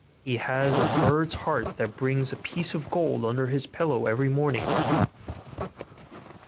He has a bird's heart that brings a piece of gold under his pillow every morning.